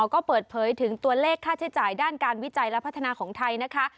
ก็เปิดเผยถึงตัวเลขค่าใช้จ่ายด้านการวิจัยและพัฒนาของไทยนะคะ